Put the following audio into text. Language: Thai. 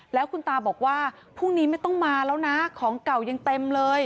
แล้วคุณตาบอกว่าพรุ่งนี้ไม่ต้องมาแล้วนะของเก่ายังเต็มเลย